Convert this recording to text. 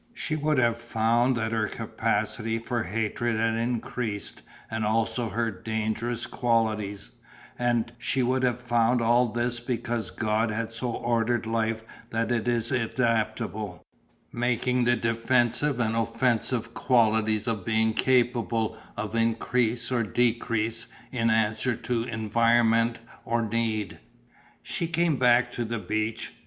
She would have found that her capacity for hatred had increased and also her dangerous qualities, and she would have found all this because God had so ordered life that it is adaptable, making the defensive and offensive qualities of the being capable of increase or decrease in answer to environment or need. She came back to the beach.